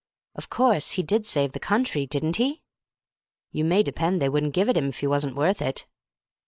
"Of course, he did save the country, didn't he?" "You may depend they wouldn't give it him if he wasn't worth it."